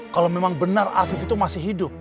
kalau memang benar afif itu masih hidup